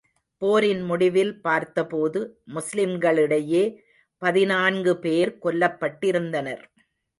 போரின் முடிவில் பார்த்தபோது, முஸ்லிம்களிடையே பதினான்கு பேர் கொல்லப்பட்டிருந்தனர்.